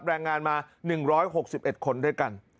แรงงานมาหนึ่งร้อยหกสิบเอ็ดคนด้วยกัน